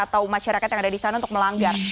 atau masyarakat yang ada di sana untuk melanggar